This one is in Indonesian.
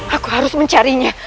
aku harus mencari